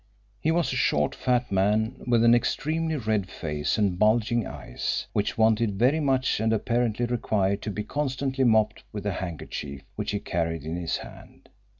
He was a short fat man, with an extremely red face and bulging eyes, which watered very much and apparently required to be constantly mopped with a handkerchief which he carried in his hand.